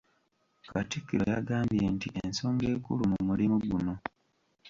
Katikkiro yagambye nti ensonga enkulu mu mulimu guno.